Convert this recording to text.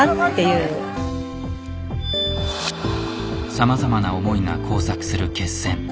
さまざまな思いが交錯する決戦。